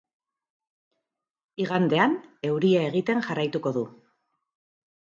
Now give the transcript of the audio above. Igandean euria egiten jarraituko du.